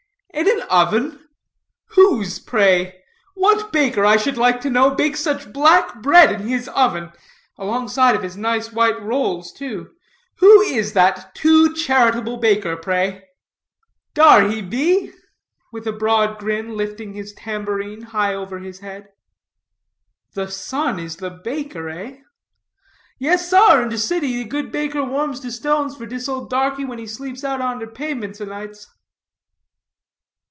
"In an oven? whose, pray? What baker, I should like to know, bakes such black bread in his oven, alongside of his nice white rolls, too. Who is that too charitable baker, pray?" "Dar he be," with a broad grin lifting his tambourine high over his head. "The sun is the baker, eh?" "Yes sar, in der city dat good baker warms der stones for dis ole darkie when he sleeps out on der pabements o' nights."